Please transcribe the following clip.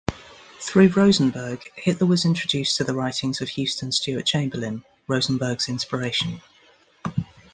Through Rosenberg, Hitler was introduced to the writings of Houston Stewart Chamberlain, Rosenberg's inspiration.